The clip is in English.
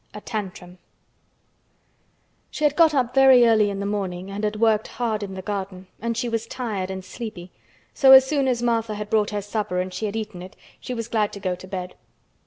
A TANTRUM She had got up very early in the morning and had worked hard in the garden and she was tired and sleepy, so as soon as Martha had brought her supper and she had eaten it, she was glad to go to bed.